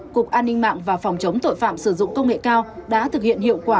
cục an ninh mạng và phòng chống tội phạm sử dụng công nghệ cao đã thực hiện hiệu quả